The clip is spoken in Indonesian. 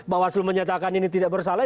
bawaslu menyatakan ini tidak bersalah